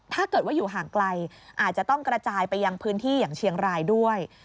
ถ้าเกิดว่าอยู่ห่างไกลอาจจะต้องกระจายไปยังพื้นที่อย่างเชียงรายด้วย